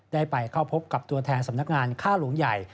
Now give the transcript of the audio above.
ได้ไปเข้าพบกับตัวแทนสำนักงานฆ่าหลวงใหญ่